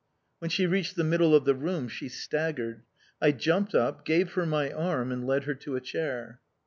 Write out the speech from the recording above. When she reached the middle of the room, she staggered. I jumped up, gave her my arm, and led her to a chair.